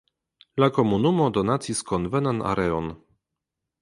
La komunumo donacis konvenan areon.